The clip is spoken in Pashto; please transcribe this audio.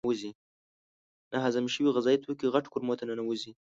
ناهضم شوي غذایي توکي غټو کولمو ته ننوزي.